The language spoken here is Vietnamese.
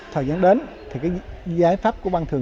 thời gian đến giải pháp của bàn thị trấn